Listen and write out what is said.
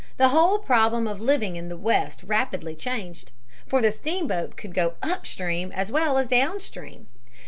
The whole problem of living in the West rapidly changed. For the steamboat could go up stream as well as down stream.